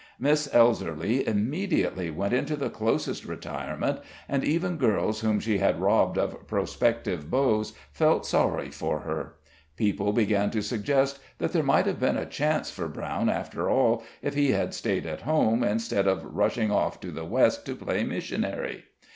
Miss Elserly immediately went into the closest retirement, and even girls whom she had robbed of prospective beaus felt sorry for her. People began to suggest that there might have been a chance for Brown, after all, if he had staid at home, instead of rushing off to the West to play missionary.